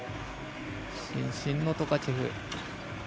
伸身のトカチェフ。